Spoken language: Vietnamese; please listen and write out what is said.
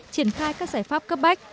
triển khai các giải pháp cấp bách